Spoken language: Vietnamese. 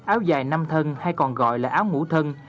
áo dài năm thân hay còn gọi là áo mũ thân